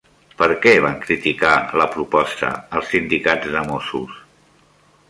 Per què van criticar la proposta els sindicats de Mossos?